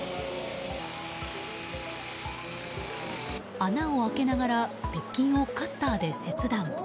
穴を開けながら鉄筋をカッターで切断。